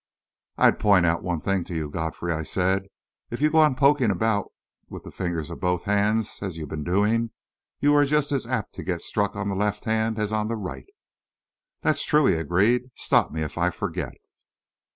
"I'd point out one thing to you, Godfrey," I said: "if you go on poking about with the fingers of both hands, as you've been doing, you are just as apt to get struck on the left hand as on the right." "That's true," he agreed. "Stop me if I forget."